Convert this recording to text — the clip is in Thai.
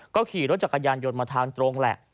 ก็ขี่รถจักรยานยนต์มาทางตรงแหละ